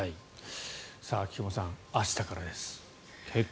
菊間さん、明日からです。